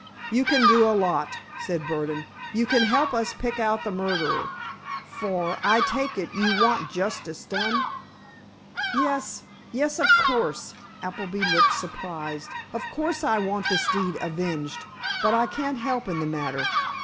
"You can do a lot," said Burdon. "You can help us pick out the murderer—for, I take it, you want justice done?" "Yes—yes, of course." Appleby looked surprised. "Of course I want this deed avenged. But I can't help in the matter.